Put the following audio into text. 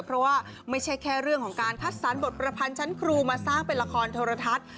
เพราะว่าไม่ใช่แค่เรื่องของการคัดสรรบทประพันธ์ชั้นครูมาสร้างเป็นละครโทรทัศน์